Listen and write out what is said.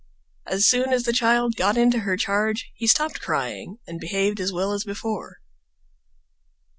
As soon as the child got into her charge he stopped crying and behaved as well as before.